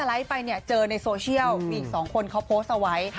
ไปเนี่ยเจอในโซเชียลมีอีกสองคนเขาโพสต์เอาไว้